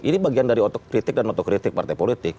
ini bagian dari otokritik dan otokritik partai politik